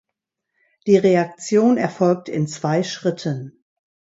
Die Reaktion erfolgt in zwei Schritten.